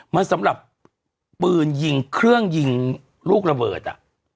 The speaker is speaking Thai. มันสำหรับปืนยิงเครื่องยิงลูกระเบิด